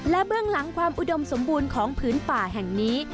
และเบื้องหลังความอุดมสมบูรณ์ของพื้นป่าแห่งนี้